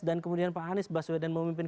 dan kemudian pak anies baswedan memimpin